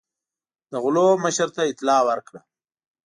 د غلو مشر ته اطلاع ورکړه.